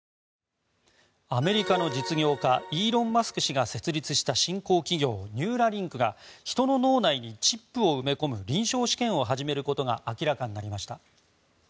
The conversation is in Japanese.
アメリカの実業家イーロン・マスク氏が設立した新興企業ニューラリンクがヒトの脳内にチップを埋め込む臨床試験を始めることが明らかになりました。